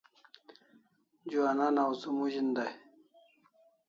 Juanan awzu mozin day